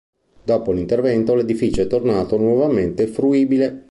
Dopo l'intervento l'edificio è tornato nuovamente fruibile.